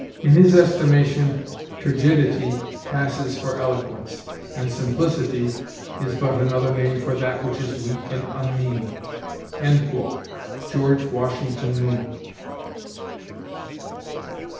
In his estimation, turgidity passes for eloquence, and simplicity is but another name for that which is weak and unmeaning." George Washington Moon.